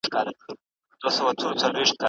آیا ته د مقابل لوري په اړه کافي تجربه لرې؟